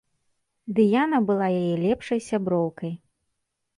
Дыяна была яе лепшай сяброўкай.